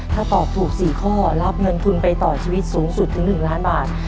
ถ้าตอบถูก๔ข้อรับเงินทุนไปต่อชีวิตสูงสุดถึง๑ล้านบาท